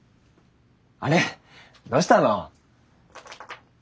あれどうしたの？